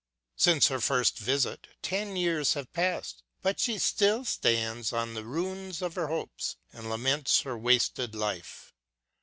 ... Since her first visit ten years have passed, but she still stands on the ruins of her hopes and laments her wasted life.